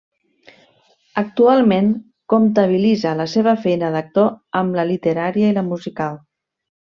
Actualment comptabilitza la seva feina d'actor amb la literària i la musical.